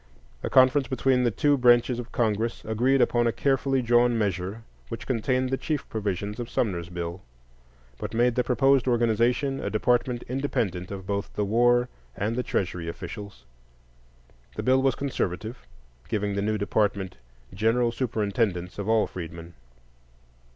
A conference between the two branches of Congress agreed upon a carefully drawn measure which contained the chief provisions of Sumner's bill, but made the proposed organization a department independent of both the War and the Treasury officials. The bill was conservative, giving the new department "general superintendence of all freedmen."